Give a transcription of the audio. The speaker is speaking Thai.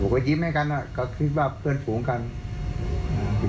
ผมก็ยิ้มให้กันก็คิดว่าเพื่อนสูงอีกกัน